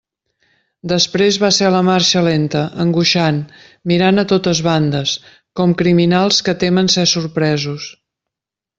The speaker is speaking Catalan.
Després va ser la marxa lenta, angoixant, mirant a totes bandes, com criminals que temen ser sorpresos.